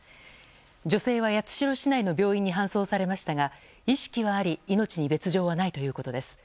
女性は八代市内の病院に搬送されましたが意識はあり命に別条はないということです。